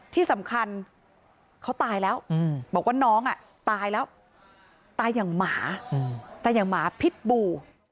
ที่สำคัญเขาตายแล้วบอกว่าน้องตายแล้วตายอย่างหมาตายอย่างหมาพิษบู